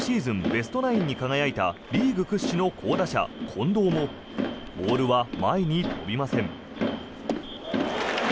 ベストナインに輝いたリーグ屈指の好打者、近藤もボールは前に飛びません。